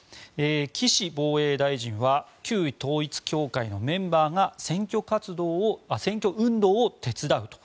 岸防衛大臣は旧統一教会のメンバーが選挙運動を手伝うと。